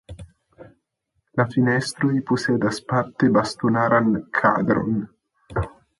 La fenestroj posedas parte bastonaran kadron.